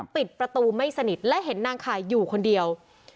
ปิดประตูไม่สนิทและเห็นนางข่ายอยู่คนเดียว